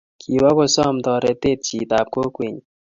kiwo kusom toritet chitab kokwenyin